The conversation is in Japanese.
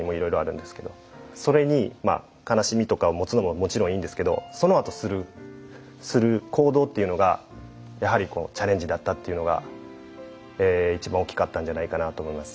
それに悲しみとかを持つのももちろんいいんですけどそのあとする行動っていうのがやはりチャレンジだったっていうのが一番大きかったんじゃないかなと思います。